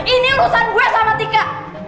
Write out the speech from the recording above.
ini urusan gue sama tika